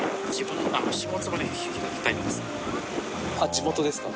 地元ですか？